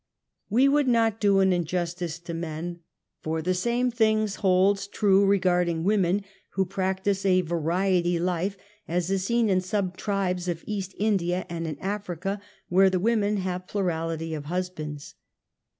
We would not do an injustice to men, for the same things holds true regarding women who practice a variety life, as is seen in some tribes of East India and in Africa, where the women have plurality of husbands.